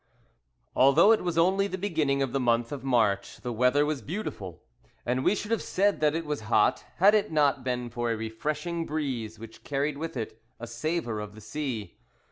ALTHOUGH it was only the beginning of the month of March the weather was beautiful, and we should have said that it was hot, had it not been for a refreshing breeze which carried with it a savour of the sea.